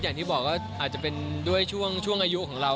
อย่างที่บอกว่าอาจจะเป็นด้วยช่วงอายุของเรา